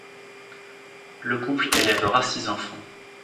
Le couple élevera six enfants.